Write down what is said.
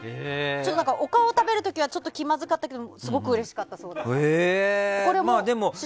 お顔を食べる時は気まずかったけどすごくうれしかったそうです。